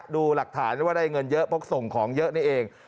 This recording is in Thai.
ดูหลักฐานว่าได้เงินเยอะเพราะส่งของเยอะนี่เอง